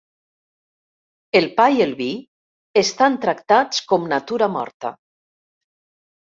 El pa i el vi estan tractats com natura morta.